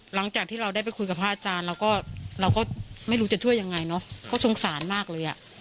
หลังจากที่เราได้ไปคุยกับพระอาจารย์เราก็เราก็ไม่รู้จะช่วยยังไงเนอะเขาสงสารมากเลยอ่ะ